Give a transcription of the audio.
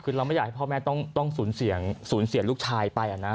คือเราไม่อยากให้พ่อแม่ต้องสูญเสียลูกชายไปนะ